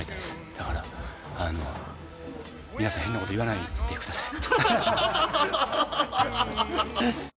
だから皆さん変なこと言わないでください。